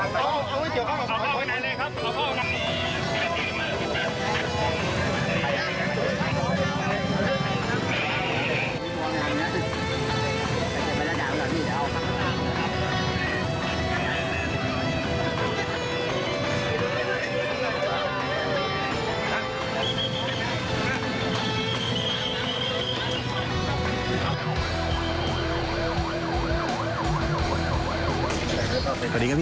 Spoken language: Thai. สวัสดีครับ